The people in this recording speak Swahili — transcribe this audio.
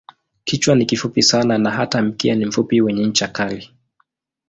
Kichwa ni kifupi sana na hata mkia ni mfupi wenye ncha kali.